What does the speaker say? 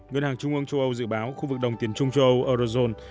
ngân hàng trung ương châu âu dự báo khu vực đồng tiền trung châu âu eurozone